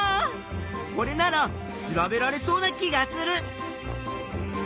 これなら調べられそうな気がする！